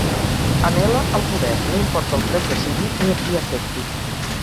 Anhela el poder, no importa el preu que sigui ni a qui afecti.